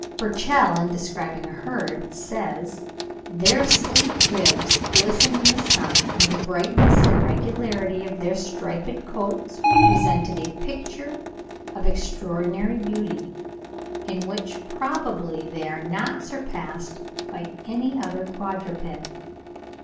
Burchell (40. 'Travels in South Africa,' 1824, vol. ii. p. 315.) in describing a herd says, "their sleek ribs glistened in the sun, and the brightness and regularity of their striped coats presented a picture of extraordinary beauty, in which probably they are not surpassed by any other quadruped."